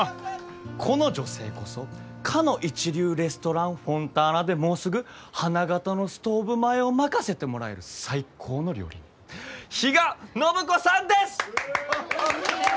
この女性こそかの一流レストランフォンターナでもうすぐ花形のストーブ前を任せてもらえる最高の料理人比嘉暢子さんです！